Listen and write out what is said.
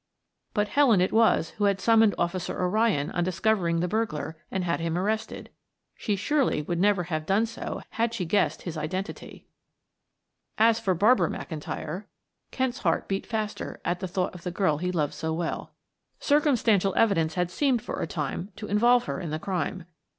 But Helen it was who had summoned Officer O'Ryan on discovering the burglar and had him arrested. She surely would never have done so had she guessed his identity. As for Barbara McIntyre Kent's heart beat faster at thought of the girl he loved so well. Circumstantial evidence had seemed for a time to involve her in the crime.